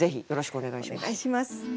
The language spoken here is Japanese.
お願いします。